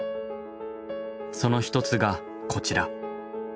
その一つがこちら。